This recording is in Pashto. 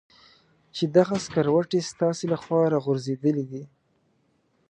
چې دغه سکروټې ستاسې له خوا را غورځېدلې دي.